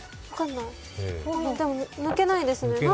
でも、抜けないですね。